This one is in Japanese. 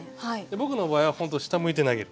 僕の場合は本当下向いて投げる。